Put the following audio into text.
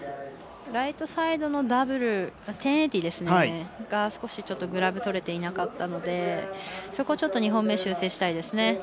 ライトサイドのダブル１０８０が少しグラブとれていなかったのでそこちょっと２本目修正したいですね。